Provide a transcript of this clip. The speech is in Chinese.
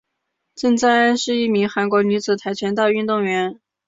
郑在恩是一名韩国女子跆拳道运动员。